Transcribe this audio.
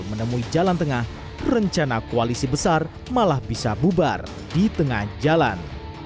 menemui jalan tengah rencana koalisi besar malah bisa bubar di tengah jalan